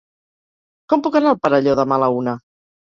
Com puc anar al Perelló demà a la una?